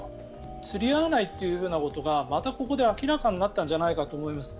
釣り合わないことがまたここで明らかになったんじゃないかと思います。